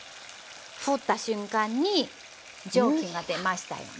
振った瞬間に蒸気が出ましたよね。